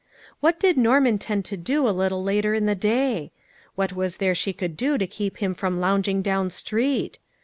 What did Norm intend to do a little later in the day? What was there she could do to keep him from loung ing down street